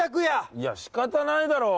いや仕方ないだろう！